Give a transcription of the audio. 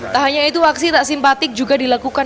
tak hanya itu aksi tak simpatik juga dilakukan